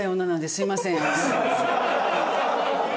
すいません。